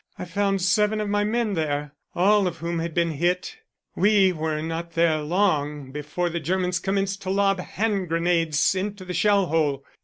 I found seven of my men there, all of whom had been hit. "We were not there long before the Germans commenced to lob hand grenades into the shell hole.